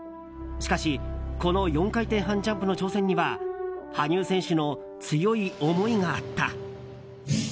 しかし、この４回転半ジャンプの挑戦には羽生選手の強い思いがあった。